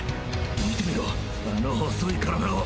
見てみろあの細い身体を。